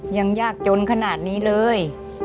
ยังยากจนขนาดนี้เลย